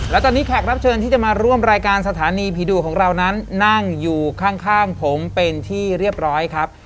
และตอนนี้แขกรับเชิญที่จะมาร่วมรายการสถานีผีดุของเรานั้นนั่งอยู่ข้างผมเป็นที่เรียบร้อยครับ